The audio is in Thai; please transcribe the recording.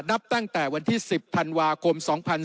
นับตั้งแต่วันที่๑๐ธันวาคม๒๔